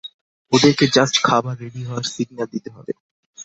ওদেরকে জাস্ট খাবার রেডি হওয়ার সিগন্যাল দিতে হবে।